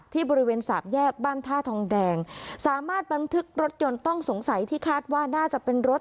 ที่บริเวณสามแยกบ้านท่าทองแดงสามารถบันทึกรถยนต์ต้องสงสัยที่คาดว่าน่าจะเป็นรถ